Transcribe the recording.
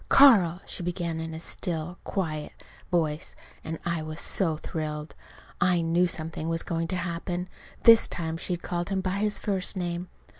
"Carl," she began in a still, quiet voice, and I was so thrilled. I knew something was going to happen this time she'd called him by his first name.